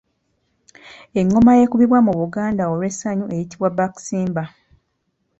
Engoma ekubibwa mu Buganda olw’essanyu eyitibwa Baakisimba.